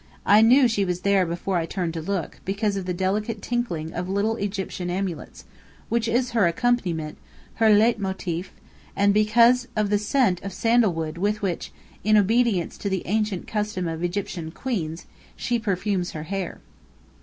I knew she was there before I turned to look, because of the delicate tinkling of little Egyptian amulets, which is her accompaniment, her leit motif, and because of the scent of sandalwood with which, in obedience to the ancient custom of Egyptian queens, she perfumes her hair.